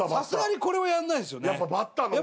さすがにこれはやんないですよね